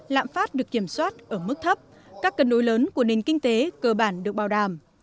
lạm phát được kiểm soát ở mức thấp các cân đối lớn của nền kinh tế cơ bản được bảo đảm